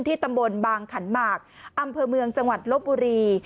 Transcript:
ตำบลบางขันหมากอำเภอเมืองจังหวัดลบบุรี